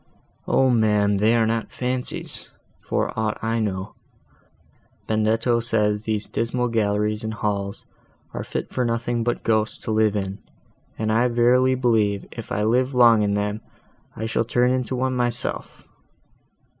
"O ma'am! they are not fancies, for aught I know; Benedetto says these dismal galleries and halls are fit for nothing but ghosts to live in; and I verily believe, if I live long in them I shall turn to one myself!"